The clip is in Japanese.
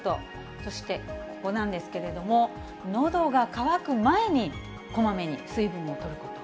そして、ここなんですけれども、のどが渇く前にこまめに水分をとること。